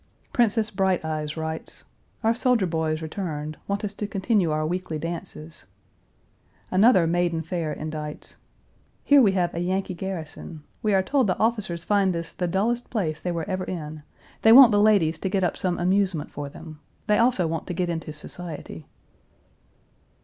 Princess Bright Eyes writes: "Our soldier boys returned, want us to continue our weekly dances." Another maiden fair indites: "Here we have a Yankee garrison. We are told the officers find this the dullest place they were ever in. They want the ladies to get up some amusement for them. They also want to get into society."